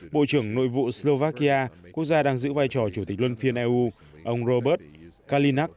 bộ trưởng nội vụ slovakia quốc gia đang giữ vai trò chủ tịch luân phiên eu ông robert kalinak